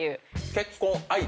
結婚相手？